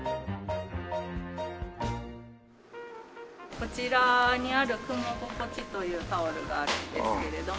こちらにある「雲ごこち」というタオルがあるんですけれども。